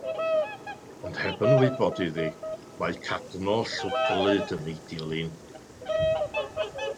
Ond heb yn wybod iddi, mae cadno llwglyd yn ei dilyn.